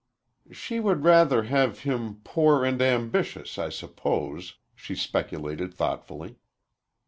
"She would rather have him poor and ambitious, I suppose," she speculated thoughtfully.